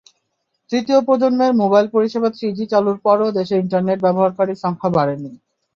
তৃতীয় প্রজন্মের মোবাইল পরিষেবা থ্রিজি চালুর পরও দেশে ইন্টারনেট ব্যবহারকারীর সংখ্যা বাড়েনি।